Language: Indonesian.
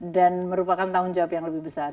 dan merupakan tanggung jawab yang lebih besar